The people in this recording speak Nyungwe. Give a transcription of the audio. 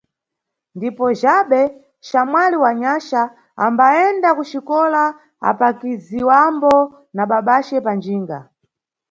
Ndipo Jabhe, xamwali wa Nyaxa, ambayenda kuxikola apakiziwambo na babace panjinga.